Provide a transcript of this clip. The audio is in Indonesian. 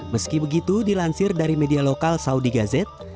meski begitu dilansir dari media lokal saudi gazette